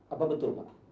apa betul pak